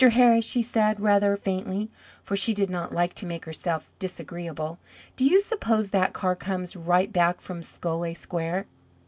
Harris," she said, rather faintly, for she did not like to make herself disagreeable, "do you suppose that car comes right back from Scollay Square?"